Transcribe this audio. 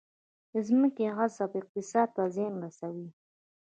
د ځمکې غصب اقتصاد ته زیان رسوي